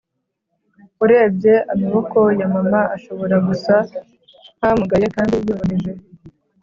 urebye, amaboko ya mama ashobora gusa nkamugaye kandi yoroheje.